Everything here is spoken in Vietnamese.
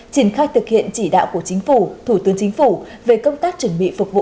triển khai thực hiện chỉ đạo của chính phủ thủ tướng chính phủ về công tác chuẩn bị phục vụ